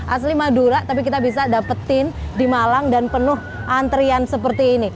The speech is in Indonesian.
asli madura tapi kita bisa dapetin di malang dan penuh antrian seperti ini